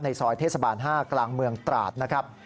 ซอยเทศบาล๕กลางเมืองตราดนะครับ